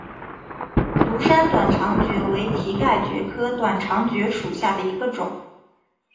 独山短肠蕨为蹄盖蕨科短肠蕨属下的一个种。